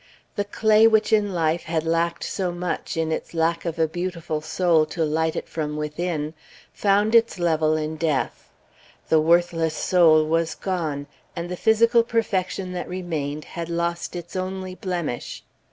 The clay which in life had lacked so much in its lack of a beautiful soul to light it from within, found its level in death. The worthless soul was gone, and the physical perfection that remained had lost its only blemish.